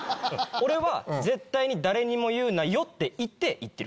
俺は「絶対に誰にも言うなよ」って言って言ってる。